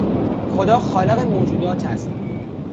خدا خالق موجودات است